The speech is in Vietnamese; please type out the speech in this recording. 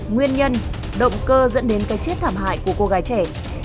nguyên nhân động cơ dẫn đến cái chết thảm hại của cô gái trẻ